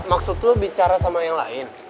maksud lo bicara sama yang lain